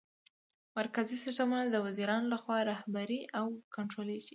مرکزي سیسټم د وزیرانو لخوا رهبري او کنټرولیږي.